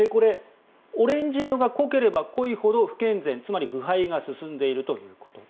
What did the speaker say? オレンジ色が濃ければ濃いほど不健全、つまり腐敗が進んでいるということ。